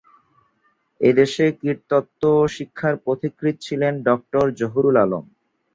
এ দেশে কীটতত্ত্ব শিক্ষার পথিকৃৎ ছিলেন ড. জহুরুল আলম।